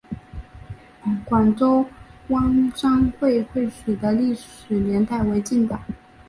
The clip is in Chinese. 广州湾商会会址的历史年代为近代。